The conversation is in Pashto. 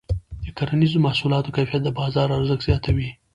د کرنیزو محصولاتو کیفیت د بازار ارزښت زیاتوي.